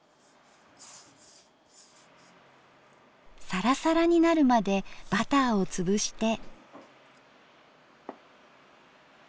さらさらになるまでバターを潰して。